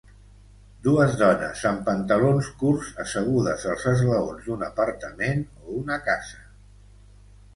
Dues dones amb pantalons curts assegudes als esglaons d'un apartament o una casa.